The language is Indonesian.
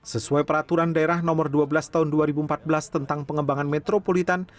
sesuai peraturan daerah nomor dua belas tahun dua ribu empat belas tentang pengembangan metropolitan